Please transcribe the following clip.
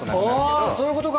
ああそういうことか。